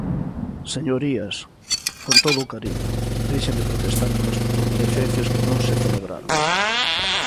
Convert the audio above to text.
Señorías, ¡con todo o cariño! deixen de protestar polas comparecencias que non se celebraron.